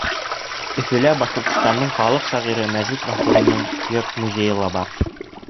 Өфөлә Башҡортостандың халыҡ шағиры Мәжит Ғафуриҙың Йорт-музейы ла бар.